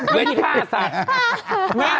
เวทิศ๕สัตว์